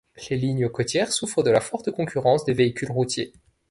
Les lignes côtières souffrent de la forte concurrence des véhicules routiers.